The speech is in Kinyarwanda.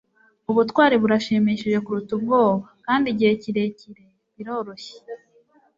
ubutwari burashimishije kuruta ubwoba, kandi igihe kirekire, biroroshye